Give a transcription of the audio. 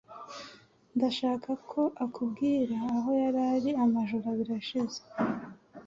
Ndashaka ko akubwira aho yari ari amajoro abiri ashize.